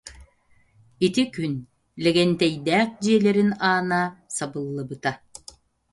Ити күн лэгэнтэйдээх дьиэлэрин аана сабыллыбата